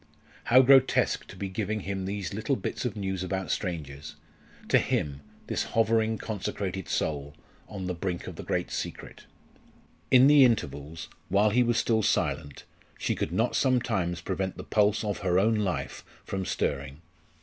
Hew grotesque to be giving him these little bits of news about strangers to him, this hovering, consecrated soul, on the brink of the great secret! In the intervals, while he was still silent, she could not sometimes prevent the pulse of her own life from stirring.